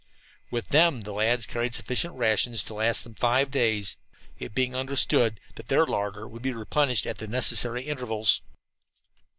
With them the lads carried sufficient rations to last them five days, it being understood that their larder would be replenished at the necessary intervals.